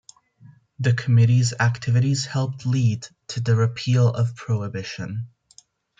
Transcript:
The Committee's activities helped lead to the repeal of prohibition.